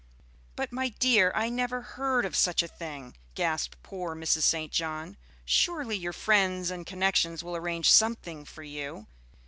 "But, my dear, I never heard of such a thing," gasped poor Mrs. St. John. "Surely your friends and connections will arrange something for you."